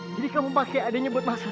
jadi kamu pakai adiknya buat masalah